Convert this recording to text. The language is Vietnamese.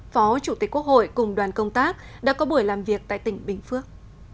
phó chủ tịch quốc hội cùng đoàn công tác đã có buổi làm việc tại tỉnh bình phước